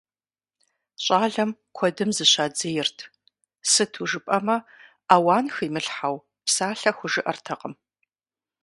ЩӀалэм куэдым зыщадзейрт, сыту жыпӀэмэ ауан химылъхьэу псалъэ хужыӀэртэкъым.